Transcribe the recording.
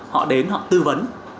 họ đến họ tư vấn